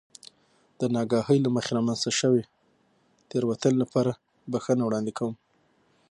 د نااګاهۍ له مخې رامنځته شوې تېروتنې لپاره خپله بښنه وړاندې کوم.